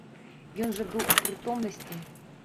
Ён жа быў у прытомнасці.